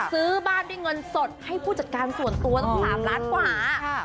ซื้อบ้านด้วยเงินสดให้ผู้จัดการส่วนตัวตั้ง๓ล้านกว่า